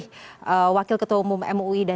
terima kasih wakil ketua umum mui